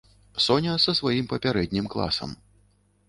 Соня са сваім папярэднім класам.